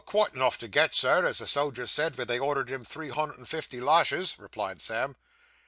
'Oh, quite enough to get, Sir, as the soldier said ven they ordered him three hundred and fifty lashes,' replied Sam.